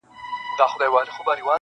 په دربار کي مي تر تا نسته ښاغلی-